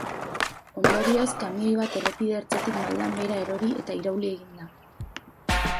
Ondorioz, kamioi bat errepide ertzetik maldan behera erori eta irauli egin da.